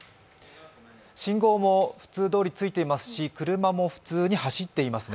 信号も普通どおりついていますし、車も普通に走っていますね。